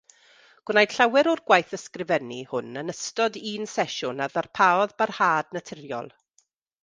Gwnaed llawer o'r gwaith ysgrifennu hwn yn ystod un sesiwn a ddarparodd barhad naturiol.